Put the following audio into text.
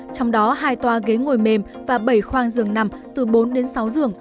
trong đó hai toa ghế ngồi mềm và bảy khoang giường nằm từ bốn đến sáu giường